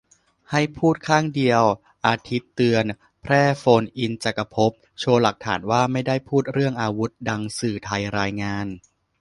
ให้พูดข้างเดียว : สาทิตย์เตือน แพร่โฟนอินจักรภพ โชว์หลักฐานว่าไม่ได้พูดเรื่องอาวุธดังสื่อไทยรายงาน